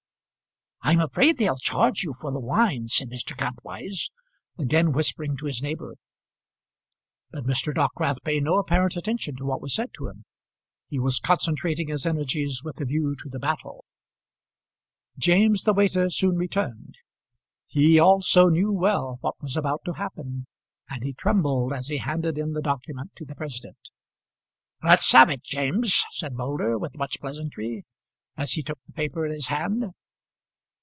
"I'm afraid they'll charge you for the wine," said Mr. Kantwise, again whispering to his neighbour. But Mr. Dockwrath paid no apparent attention to what was said to him. He was concentrating his energies with a view to the battle. James, the waiter, soon returned. He also knew well what was about to happen, and he trembled as he handed in the document to the president. "Let's have it, James," said Moulder, with much pleasantry, as he took the paper in his hand.